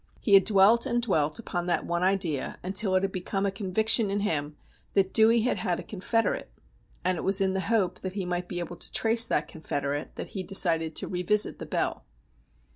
He had dwelt and dwelt upon that one idea until it had become a conviction with him that Dewey had had a confederate, and it was in the hope that he might be able to trace that confederate that he decided to revisit the Bell.